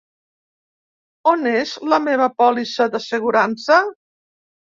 On és la meva pòlissa d'assegurança?